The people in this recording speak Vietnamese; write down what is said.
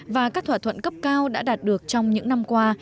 và các thỏa thuận cấp cao đã đạt được trong những năm qua